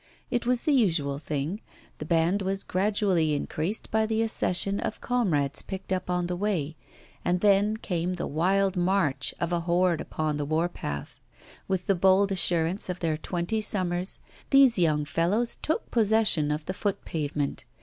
It was the usual thing, the band was gradually increased by the accession of comrades picked up on the way, and then came the wild march of a horde upon the war path. With the bold assurance of their twenty summers, these young fellows took possession of the foot pavement.